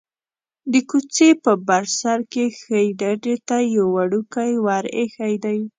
د کوڅې په بر سر کې ښيي ډډې ته یو وړوکی ور ایښی دی.